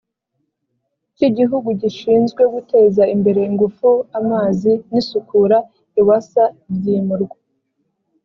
cy igihugu gishinzwe guteza imbere ingufu amazi n isukura ewsa byimurwa